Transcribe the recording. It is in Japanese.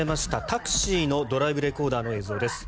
タクシーのドライブレコーダーの映像です。